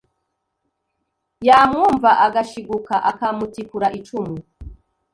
yamwumva agashiguka akamutikura icumu